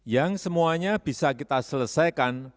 yang semuanya bisa kita selesaikan